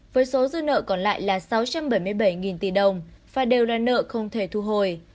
với số dư nợ còn lại là sáu trăm bảy mươi bảy tỷ đồng và đều là nợ không thể thu hồi